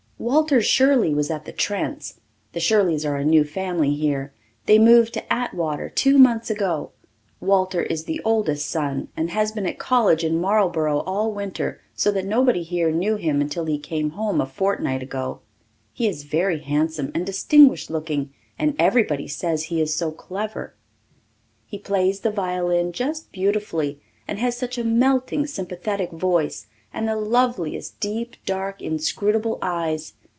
Walter Shirley was at the Trents'. The Shirleys are a new family here; they moved to Atwater two months ago. Walter is the oldest son and has been at college in Marlboro all winter so that nobody here knew him until he came home a fortnight ago. He is very handsome and distinguished looking and everybody says he is so clever. He plays the violin just beautifully and has such a melting, sympathetic voice and the loveliest deep, dark, inscrutable eyes.